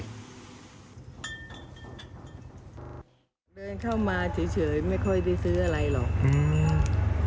เดินเข้ามาเฉยเฉยไม่ค่อยได้ซื้ออะไรหรอกอืม